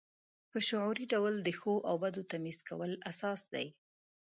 په شعوري ډول د ښو او بدو تمیز کول اساس دی.